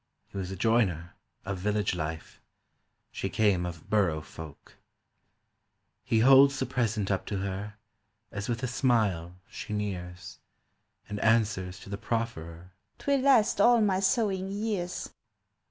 He was a joiner, of village life; She came of borough folk. He holds the present up to her As with a smile she nears And answers to the profferer, "'Twill last all my sewing years!"